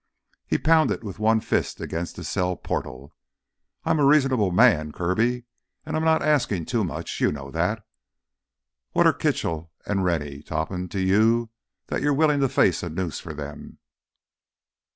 He pounded with one fist against the cell portal. "I'm a reasonable man, Kirby, and I'm not asking too much—you know that. What're Kitchell, Rennie, Topham to you that you're willing to face a noose for them?"